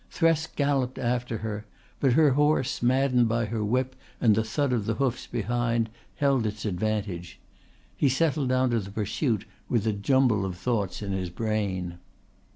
Thresk galloped after her, but her horse, maddened by her whip and the thud of the hoofs behind, held its advantage. He settled down to the pursuit with a jumble of thoughts in his brain.